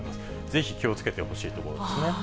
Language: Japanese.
ぜひ気をつけてほしいところですね。